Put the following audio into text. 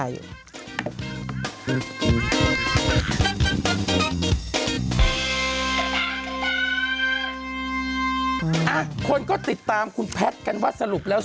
คนก็ติดตามคุณแพทย์กันว่าสรุปแล้ว